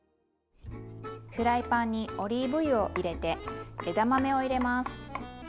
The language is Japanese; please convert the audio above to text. フライパンにオリーブ油を入れて枝豆を入れます。